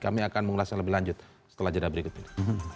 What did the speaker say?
kami akan mengulasnya lebih lanjut setelah jeda berikut ini